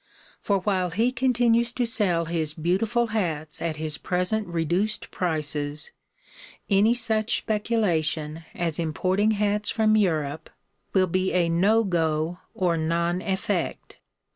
For while he continues to sell his beautiful hats at his present reduced prices, any such speculation as importing hats from Europe will be 'no go' or 'non effect.'